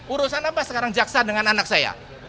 urusan apa sekarang jaksa dengan anak saya